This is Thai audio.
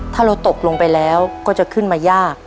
ถ้าเราตกลงไปแล้วก็จะขึ้นมายาก